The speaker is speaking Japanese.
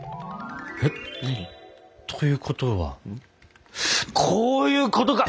何？ということはこういうことか！